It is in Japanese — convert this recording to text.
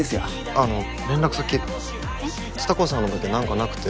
あの連絡先蔦子さんのだけなんかなくて。